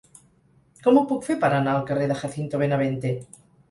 Com ho puc fer per anar al carrer de Jacinto Benavente?